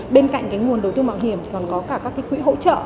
bên cạnh nguồn đầu tư mạo hiểm còn có cả các quỹ hỗ trợ